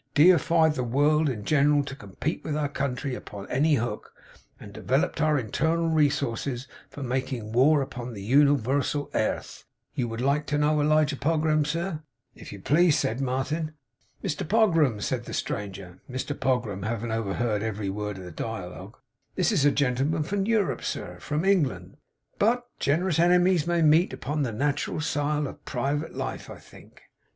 'Defied the world in general to com pete with our country upon any hook; and devellop'd our internal resources for making war upon the universal airth. You would like to know Elijah Pogram, sir?' 'If you please,' said Martin. 'Mr Pogram,' said the stranger Mr Pogram having overheard every word of the dialogue 'this is a gentleman from Europe, sir; from England, sir. But gen'rous ene mies may meet upon the neutral sile of private life, I think.